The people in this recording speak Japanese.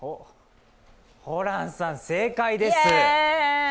ホランさん、正解です。